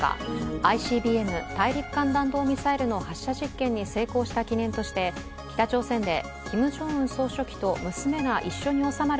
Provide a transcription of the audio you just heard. ＩＣＢＭ＝大陸間弾道ミサイルの発射実験に成功した記念として北朝鮮でキム・ジョンウン総書記と娘が一緒に収まる